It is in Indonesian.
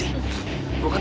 iyuh ini udah kelas